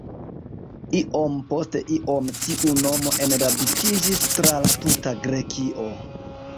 Iom post iom tiu nomo enradikiĝis tra la tuta Grekio.